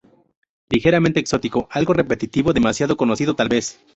Ligeramente exótico, algo repetitivo, demasiado conocido tal vez.